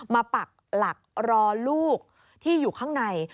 ปักหลักรอลูกที่อยู่ข้างใน